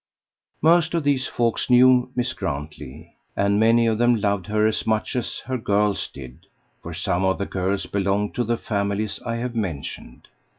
Most of these folks knew Miss Grantley; and many of them loved her as much as her girls did, for some of the girls belonged to the families I have mentioned.